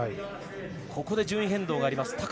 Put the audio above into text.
ここで順位変動があります。